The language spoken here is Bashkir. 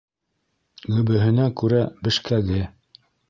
Гөбөһөнә күрә бешкәге.